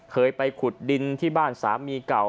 เคยไปขุดดินที่บ้านสามีเก่า